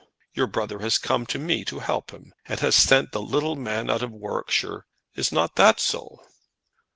Your brother has come to me to help him, and has sent the little man out of Warwickshire. Is not that so?"